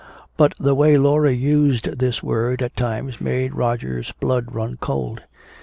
But the way Laura used this word at times made Roger's blood run cold.